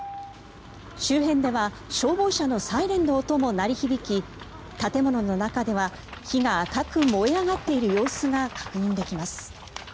周辺では消防車のサイレンの音も鳴り響き建物の中では火が赤く燃え上がっている様子が確認できます。